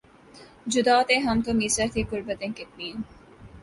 جدا تھے ہم تو میسر تھیں قربتیں کتنی